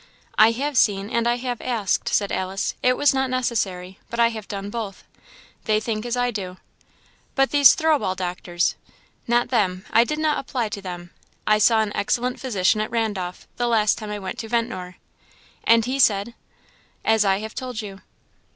"I have seen, and I have asked," said Alice; "it was not necessary, but I have done both. They think as I do." "But these Thirlwall doctors " "Not them; I did not apply to them. I saw an excellent physician at Randolph, the last time I went to Ventnor." "And he said " "As I have told you."